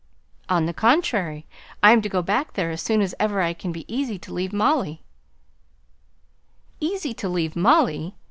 "On the contrary, I am to go back there as soon as ever I can be easy to leave Molly." "'Easy to leave Molly.'